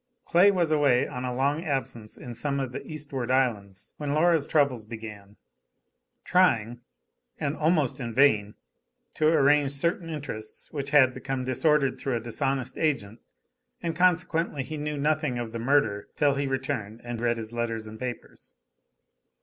Clay was away on a long absence in some of the eastward islands when Laura's troubles began, trying (and almost in vain,) to arrange certain interests which had become disordered through a dishonest agent, and consequently he knew nothing of the murder till he returned and read his letters and papers.